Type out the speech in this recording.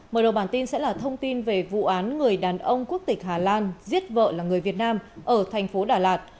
mở đầu bản tin sẽ là thông tin về vụ án người đàn ông quốc tịch hà lan giết vợ là người việt nam ở thành phố đà lạt